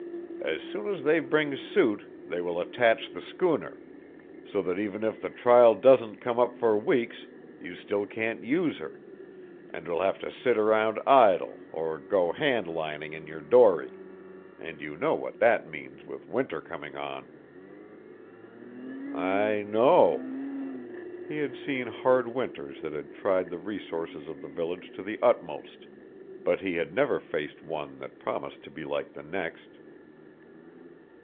As soon as they bring suit they will attach the schooner, so that even if the trial doesn't come up for weeks you still can't use her, and will have to sit around idle or go hand lining in your dory. And you know what that means with winter comin' on." "I know." He had seen hard winters that had tried the resources of the village to the utmost, but he had never faced one that promised to be like the next.